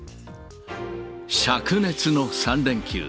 しゃく熱の３連休。